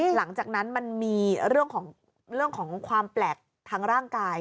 หลังจากนั้นมันมีเรื่องของเรื่องของความแปลกทั้งร่างกาย